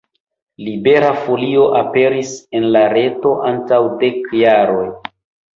Libera Folio aperis en la reto antaŭ dek jaroj.